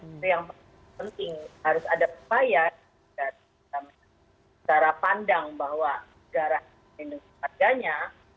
itu yang penting harus ada persayaan dan cara pandang bahwa negara melindungi warganya